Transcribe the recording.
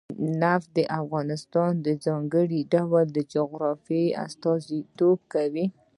نفت د افغانستان د ځانګړي ډول جغرافیه استازیتوب کوي.